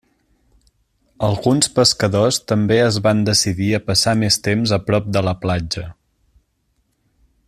Alguns pescadors també es van decidir a passar més temps a prop de la platja.